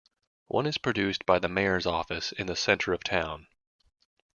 One is produced by the mayor's office in the center of town.